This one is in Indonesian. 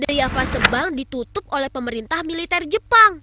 gaya fase bank ditutup oleh pemerintah militer jepang